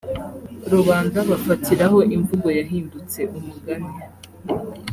rubanda bafatiraho imvugo yahindutse umugani